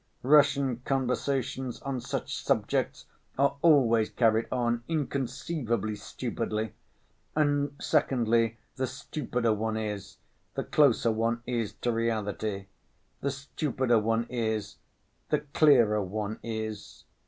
Russian conversations on such subjects are always carried on inconceivably stupidly. And secondly, the stupider one is, the closer one is to reality. The stupider one is, the clearer one is.